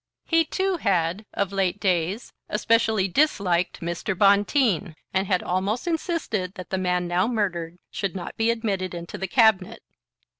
He, too, had, of late days, especially disliked Mr. Bonteen, and had almost insisted that the man now murdered should not be admitted into the Cabinet.